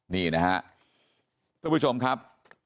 นี่นะครับทุกผู้ชมครับ